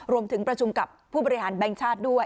รวมถึงประชุมกับผู้บริหารแบงค์ชาติด้วย